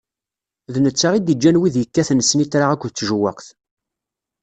D netta i d-iǧǧan wid ikkaten snitra akked tjewwaqt.